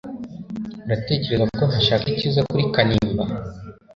Uratekereza ko ntashaka icyiza kuri Kanimba